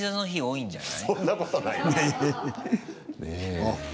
そんなことないわ。